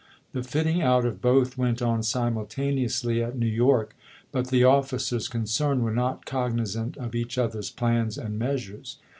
The fitting out of both went on simultaneously at New York, but the offi cers concerned were not cognizant of each other's plans and measures.